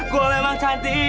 gue emang cantik